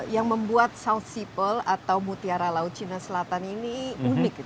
yang membuat south seaple atau mutiara laut cina selatan ini unik